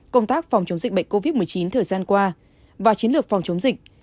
công tác phòng chống dịch bệnh covid một mươi chín thời gian qua và chiến lược phòng chống dịch